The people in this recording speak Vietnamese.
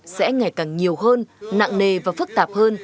sẽ ngày càng nhiều hơn nặng nề và phức tạp hơn